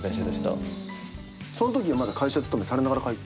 そのときはまだ会社勤めされながら書いてた？